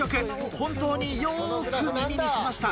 本当によく耳にしました。